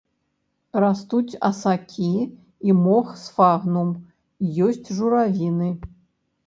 Растуць асакі і мох сфагнум, ёсць журавіны.